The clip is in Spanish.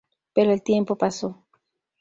Pero el tiempo pasó.